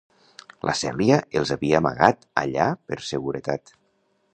La Cèlia els havia amagat allà per seguretat.